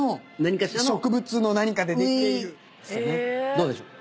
どうでしょう？